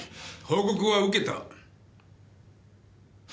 報告は受けた。